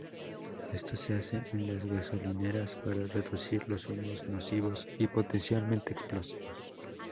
Esto se hace en las gasolineras, para reducir los humos nocivos y potencialmente explosivos.